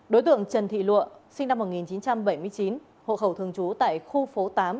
đối tượng trần thị lụa sinh năm một nghìn chín trăm bảy mươi chín hộ khẩu thường trú tại khu phố tám